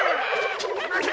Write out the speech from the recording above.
待て！